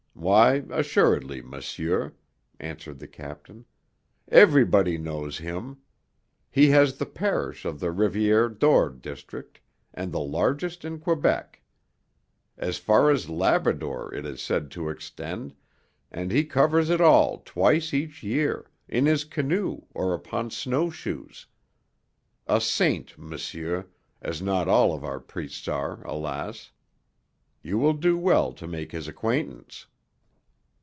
Why, assuredly, monsieur," answered the captain. "Everybody knows him. He has the parish of the Rivière d'Or district, and the largest in Quebec. As far as Labrador it is said to extend, and he covers it all twice each year, in his canoe or upon snowshoes. A saint, monsieur, as not all of our priests are, alas! You will do well to make his acquaintance."